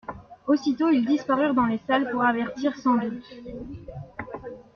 Aussitôt ils disparurent dans les salles, pour avertir, sans doute.